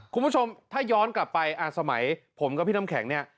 คุณผู้ชมถ้าย้อนกลับไปสมัยผมกับพี่น้ำแข็งเนี่ย